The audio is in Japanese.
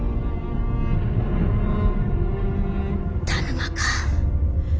田沼か？